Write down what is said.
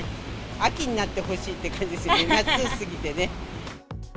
秋になってほしいって感じですよね、夏過ぎてね。